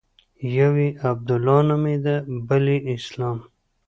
يو يې عبدالله نومېده بل يې اسلام.